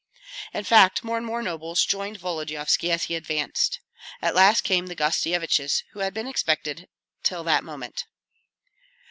In fact, more and more nobles joined Volodyovski as he advanced. At last came the Gostsyeviches, who had been expected till that moment.